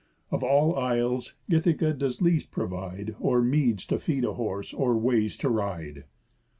Of all isles, Ithaca doth least provide Or meads to feed a horse, or ways to ride."